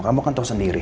kamu kan tau sendiri